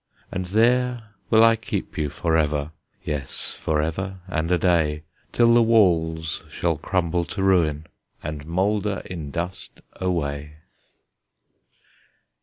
And there will I keep you forever, Yes, forever and a day, Till the walls shall crumble to ruin, And moulder in dust away!